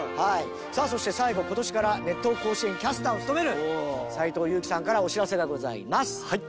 さあそして最後今年から『熱闘甲子園』キャスターを務める斎藤佑樹さんからお知らせがございます。